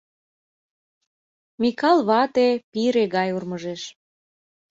Микал вате пире гай урмыжеш.